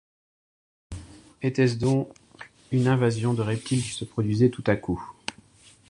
Était-ce donc une invasion de reptiles qui se produisait tout à coup?